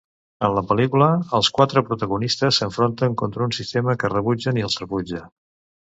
En la pel·lícula, els quatre protagonistes s'enfronten contra un sistema que rebutgen i els rebutja.